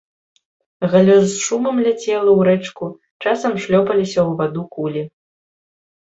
Галлё з шумам ляцела ў рэчку, часам шлёпаліся ў ваду кулі.